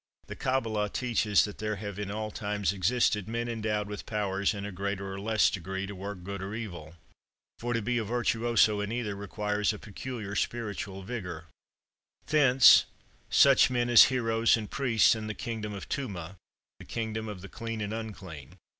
The "Cabbalah" teaches that there have in all times existed men endowed with powers, in a greater or less degree, to work good or evil; for, to be a virtuoso in either, requires a peculiar spiritual vigor: thence, such men as heroes and priests in the kingdom of Tumah (the kingdom of the clean and unclean).